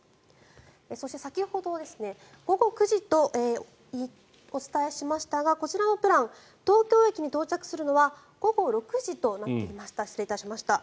そして、先ほど午後９時とお伝えしましたがこちらのプラン東京駅に到着するのは午後６時となっていました。